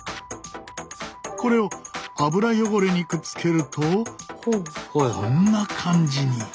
これを油汚れにくっつけるとこんな感じに。